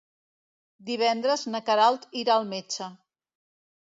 Divendres na Queralt irà al metge.